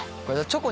チョコ。